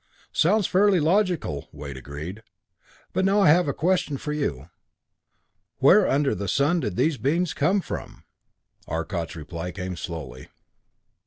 "Sounds fairly logical." Wade agreed. "But now I have a question for you. Where under the sun did these beings come from?" Arcot's reply came slowly.